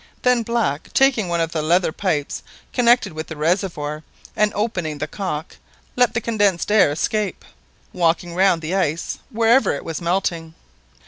Then Black, taking one of the leather pipes connected with the reservoir, and opening the cock, let the condensed air escape, walking round the ice wherever it was melting.